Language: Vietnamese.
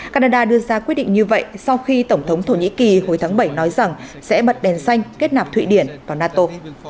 canada đưa ra quyết định như vậy sau khi tổng thống thổ nhĩ kỳ hồi tháng bảy nói rằng sẽ bật đèn xanh kết nạp thụy điển vào nato